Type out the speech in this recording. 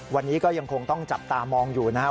วันนี้ก็ยังคงต้องจับตามองอยู่นะครับ